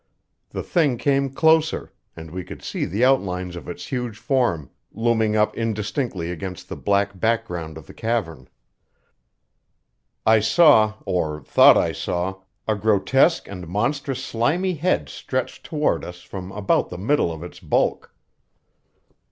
The thing came closer, and we could see the outlines of its huge form looming up indistinctly against the black background of the cavern. I saw, or thought I saw, a grotesque and monstrous slimy head stretched toward us from about the middle of its bulk.